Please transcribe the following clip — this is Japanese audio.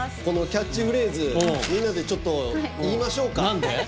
このキャッチフレーズみんなでちょっと言いましょうか何で？